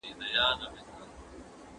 زما زړه به د کيسو په تلوسه کي کېده.